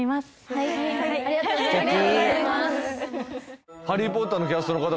はいありがとうございますいや